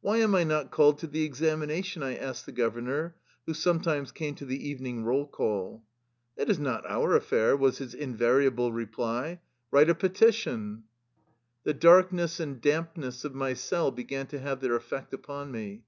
"Why am I not called to the examination?" I asked the governor, who sometimes came to the evening roll call. " That is not our affair," was his invariable reply. " Write a petition." 66 THE LIFE STOKY OF A RUSSIAN EXILE The darkness and dampness of my cell began to have their effect upon me.